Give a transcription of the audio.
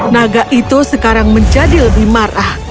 naga itu sekarang menjadi lebih marah